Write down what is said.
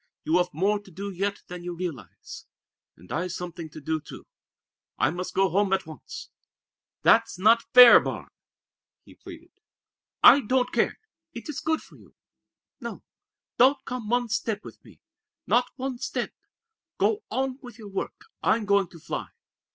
You have more to do yet than you realize. And I've something to do, too. I must go home at once." "That's not fair, Barbe!" he pleaded. "I don't care! It is good for you. No, don't come one step with me. Not one step. Go on with your work. I'm going to fly."